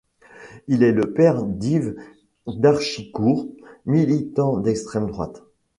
Il est le père d'Yves Darchicourt, militant d'extrême droite.